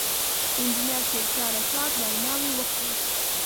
انجنیر شېرشاه رشاد ویناوې وکړې.